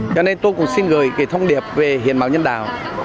cho nên tôi cũng xin gửi cái thông điệp về hiến máu nhân đạo